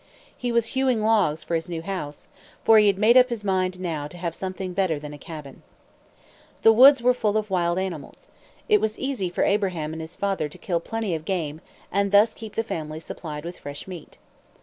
He was hewing logs for his new house; for he had made up his mind, now, to have something better than a cabin. The woods were full of wild animals. It was easy for Abraham and his father to kill plenty of game, and thus keep the family supplied with fresh meat.